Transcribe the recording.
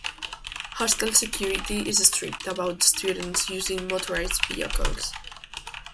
Hostel security is strict about students using motorised vehicles.